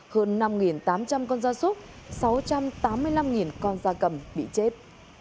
hơn năm tám trăm linh con da súc sáu trăm tám mươi năm con da cầm bị chết